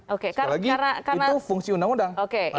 sekali lagi itu fungsi undang undang